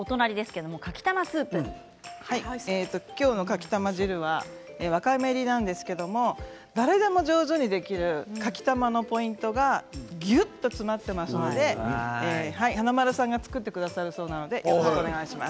今日のかきたま汁はわかめ入りなんですけれども誰でも上手にできるかきたまのポイントがぎゅっと詰まっていますので華丸さんが作ってくださるそうなのでよろしくお願いします。